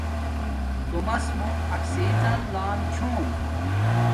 تومس موں آکسجن لام چھوم